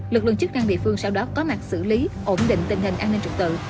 lực lượng chức năng địa phương sau đó có mặt xử lý ổn định tình hình an ninh trật tự